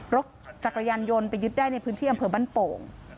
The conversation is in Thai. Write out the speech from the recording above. รถจักรยานยนต์ไปยึดได้ในพื้นที่อำเภอบ้านโป่ง